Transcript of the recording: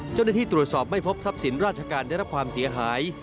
เจ้าหน้าที่ตรวจสอบไม่พบทรัพย์สินราชการได้รับความเสียหาย